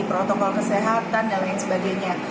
protokol kesehatan dan lain sebagainya